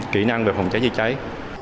kỹ năng về phòng cháy chữa cháy